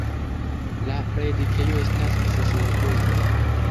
La predikejo estas seslatera.